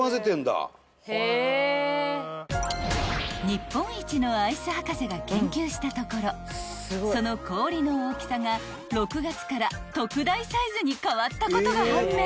［日本一のアイス博士が研究したところその氷の大きさが６月から特大サイズに変わったことが判明］